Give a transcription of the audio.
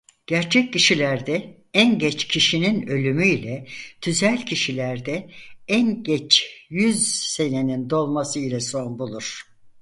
Gerçek kişilerde en geç kişinin ölümü ile tüzel kişilerde en geç yüz senenin dolması ile son bulur.